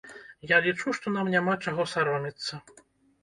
Я лічу, што нам няма чаго саромецца.